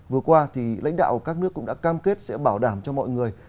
vừa qua thì lãnh đạo các nước cũng đã cam kết sẽ bảo đảm cho mọi người